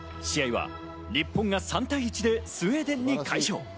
試合は日本が３対１でスウェーデンに快勝！